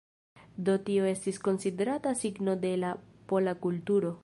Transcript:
Do tio estis konsiderata signo de la pola kulturo.